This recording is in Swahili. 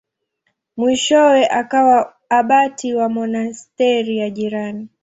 Mwishowe akawa abati wa monasteri ya jirani.